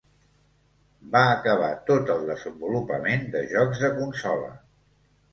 Va acabar tot el desenvolupament de jocs de consola.